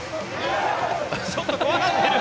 ちょっと怖がってる。